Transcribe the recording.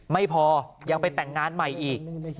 ไม่พอยังไปแต่งงานใหม่อีก